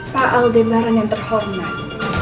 pak aldebaran yang terhormat